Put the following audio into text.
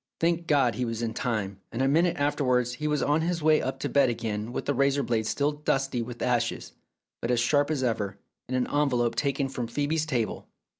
Thank God he was in time, and a minute after wards he was on his way up to bed again with the razor blade still dusty with ashes, but as sharp as ever, in an envelope taken from Phcebe's table.